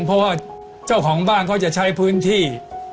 เพราะว่าเจ้าของบ้านเขาจะใช้พื้นที่